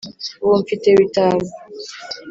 ubu mfite bitanu!